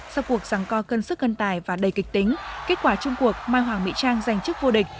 sau cuộc giảng co cân sức cân tài và đầy kịch tính kết quả chung cuộc mai hoàng mỹ trang giành chức vô địch